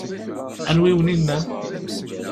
Anwa i awen-innan?